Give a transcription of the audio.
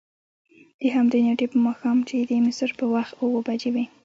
د همدې نېټې په ماښام چې د مصر په وخت اوه بجې وې.